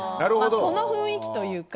その雰囲気というか。